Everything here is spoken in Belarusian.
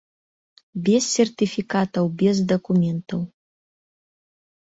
Без сертыфікатаў, без дакументаў.